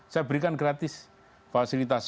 saya berikan gratis fasilitas